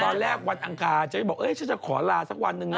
วันแรกวันอังคารฉันจะบอกฉันจะขอลาสักวันหนึ่งนะ